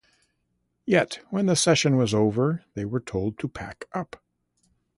Yet when the session was over, they were told to pack up.